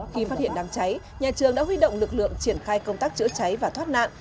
khi phát hiện đám cháy nhà trường đã huy động lực lượng triển khai công tác chữa cháy và thoát nạn